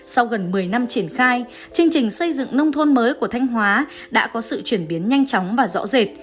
sau gần một mươi năm triển khai chương trình xây dựng nông thôn mới của thanh hóa đã có sự chuyển biến nhanh chóng và rõ rệt